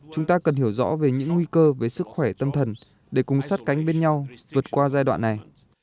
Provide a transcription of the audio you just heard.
chúng ta cần hiểu rõ về những nguy cơ với sức khỏe tâm thần để cùng sát cánh bên nhau vượt qua giai đoạn này